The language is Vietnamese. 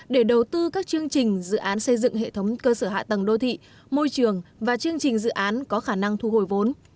để đầu tư các chương trình dự án xây dựng hệ thống cơ sở hạ tầng đô thị môi trường và chương trình dự án có khả năng thu hồi vốn